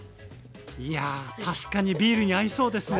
いや確かにビールに合いそうですね。